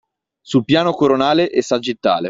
Sul piano coronale e sagittale